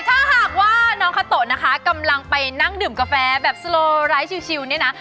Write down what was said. ถ้าหากว่าน้องคาโตะนะคะกำลังไปนั่งดื่มกาแฟแบบสโลไร้ชิลเนี่ยนะ